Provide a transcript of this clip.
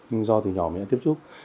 nhưng do từ nhỏ mình đã tiếp xúc